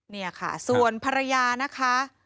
นี่ค่ะส่วนภรรยานะคะ